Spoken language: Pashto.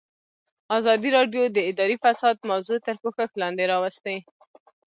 ازادي راډیو د اداري فساد موضوع تر پوښښ لاندې راوستې.